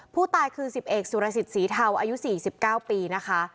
ผู้ตายคือ๑๐เอกสุรสิทธิ์สีเทาอายุ๔๙ปีนะคะ